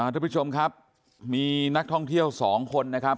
ทุกผู้ชมครับมีนักท่องเที่ยว๒คนนะครับ